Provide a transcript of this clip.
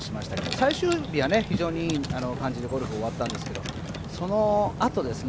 最終日はいい感じでゴルフ終わったんですが、そのあとですね。